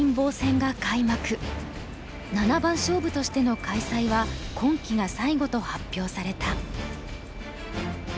七番勝負としての開催は今期が最後と発表された。